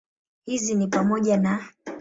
Hizi ni pamoja na